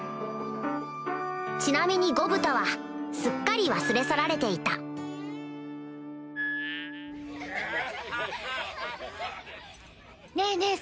ちなみにゴブタはすっかり忘れ去られていたねぇねぇ